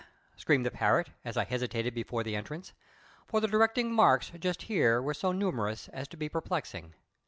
screamed the parrot, as I hesitated before the entrance, for the directing marks just here were so numerous as to be perplexing.